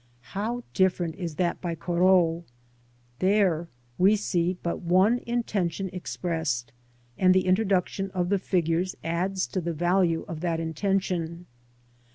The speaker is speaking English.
How different is that by Corot ! There we see but one intention expressed, and the introduc tion of the figures adds to the value of that intention.